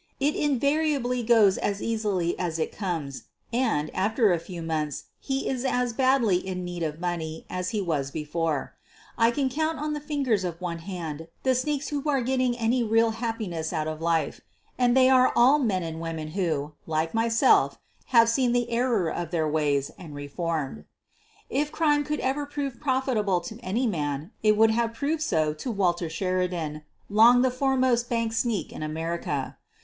It invariably goes as easily as it comes, and, after a few months, he is as badly in need of money as he was before. I can count on the fingers of one hand the " sneaks' ' who are getting any real happiness out of life — and they are all men and women who, like myself, have seen the error of their ways and reformed. If crime could ever prove profitable to any man, it would have proved so to Walter Sheridan, long the foremost "bank sneak' ' in America.